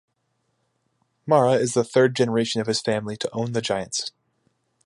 Mara is the third generation of his family to own the Giants.